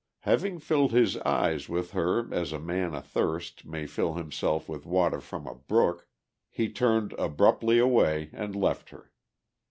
Having filled his eyes with her as a man athirst may fill himself with water from a brook, he turned abruptly away and left her.